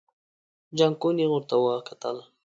جانکو نيغ ورته وکتل.